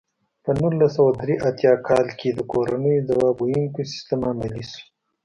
په نولس سوه درې اتیا کال کې د کورنیو ځواب ویونکی سیستم عملي شو.